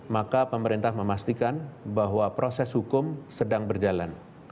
maka pemerintah memastikan bahwa proses hukum sedang berjalan